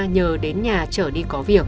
nhờ đến nhà trở đi